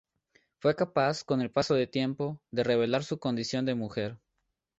Fue capaz, con el paso del tiempo, de revelar su condición de mujer.